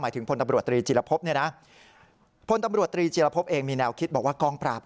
ถึงพลตำรวจตรีจิลภพเนี่ยนะพลตำรวจตรีจิรพบเองมีแนวคิดบอกว่ากองปราบ